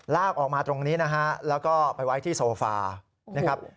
ลากออกมาตรงนี้นะฮะแล้วก็ไปไว้ที่โซฟานะครับ